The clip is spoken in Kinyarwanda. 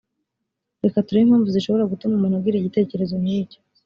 reka turebe impamvu zishobora gutuma umuntu agira igitekerezo nk icyo